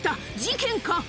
事件か？